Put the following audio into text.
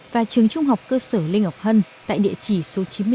và trường trung học cơ sở linh ngọc hân tại địa chỉ số chín mươi bốn ngô thị nhậm